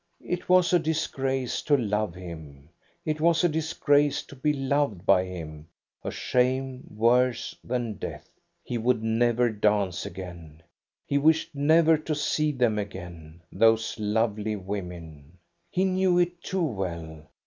It was a disgrace to love him ; it was a disgrace to be loved by him, a shame worse than death. He would never dance again. He wished never to see them again, those lovely women. He knew it too well.